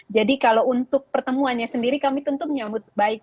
jadi kalau untuk pertemuannya sendiri kami tentu menyambut baik